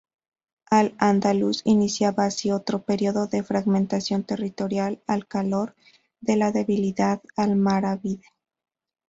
Al-Andalus iniciaba así otro periodo de fragmentación territorial al calor de la debilidad almorávide.